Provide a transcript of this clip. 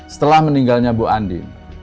setelah meninggalnya bu andi